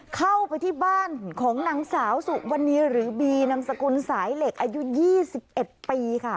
เข้าไปที่บ้านของนางสาวสุวรรณีหรือบีนามสกุลสายเหล็กอายุ๒๑ปีค่ะ